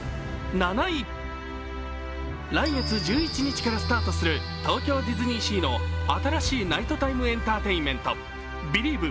来月１１日からスタートする東京ディズニーシーの新しいナイトタイムエンターテインメント「ビリーヴ！